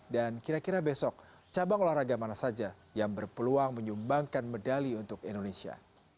dan kira kira besok cabang olahraga mana saja yang berpeluang menyumbangkan medali untuk indonesia